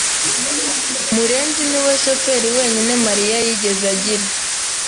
Murenzi niwe shoferi wenyine Mariya yigeze agira.